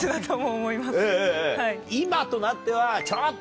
今となっては。